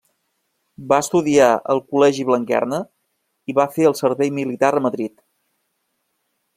Va estudiar al col·legi Blanquerna i va fer el servei militar a Madrid.